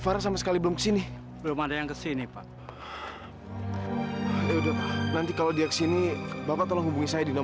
terima kasih om dengan banyak modepronom